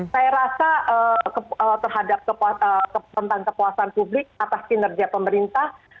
saya rasa terhadap tentang kepuasan publik atas kinerja pemerintah